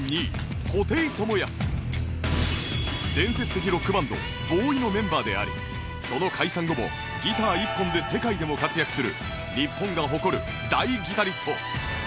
伝説的ロックバンド ＢＯＷＹ のメンバーでありその解散後もギター１本で世界でも活躍する日本が誇る大ギタリスト